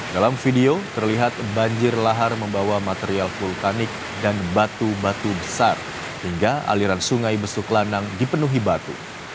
dalam video terlihat banjir lahar membawa material vulkanik dan batu batu besar hingga aliran sungai besuk lanang dipenuhi batu